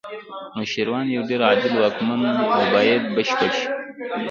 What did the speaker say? نوشیروان یو ډېر عادل واکمن و باید بشپړ شي.